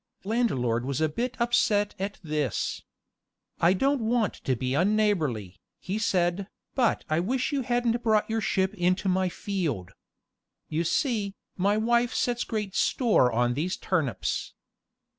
Landlord was a bit upset at this. "I don't want to be unneighborly," he said, "but I wish you hadn't brought your ship into my field. You see, my wife sets great store on these turnips."